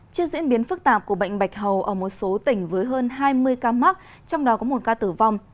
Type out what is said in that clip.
trước diễn biến phức tạp của bệnh bạch hầu ở một số tỉnh với hơn hai mươi ca mắc trong đó có một ca tử vong